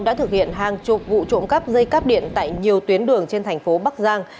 đã thực hiện hàng chục vụ trộm cắp dây cắp điện tại nhiều tuyến đường trên thành phố bắc giang